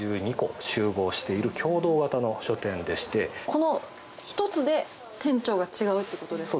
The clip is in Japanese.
この１つで店長が違うということですか？